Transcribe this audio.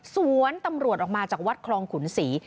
สวนตำรวจออกมาจากวัดคลองขุนศรี